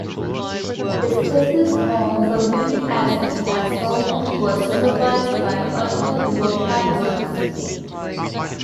His thesis on sulfuric acid as solvent was supervised by Arthur Rudolf Hantzsch.